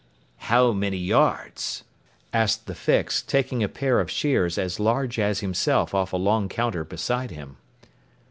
"How many yards?" asked the Fix, taking a pair of shears as large as himself off a long counter beside him.